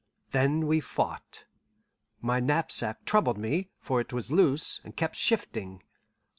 Then we fought. My knapsack troubled me, for it was loose, and kept shifting.